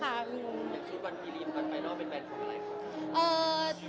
ก่อนไปเราจะเป็นแบรนด์ของอะไร